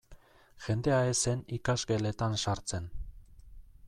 Jendea ez zen ikasgeletan sartzen.